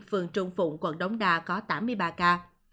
phường trung phụng quận đống đa có tám mươi ba ca